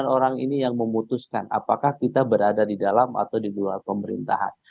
sembilan orang ini yang memutuskan apakah kita berada di dalam atau di luar pemerintahan